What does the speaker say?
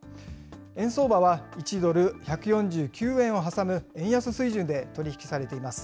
円相場は１ドル１４９円を挟む円安水準で取り引きされています。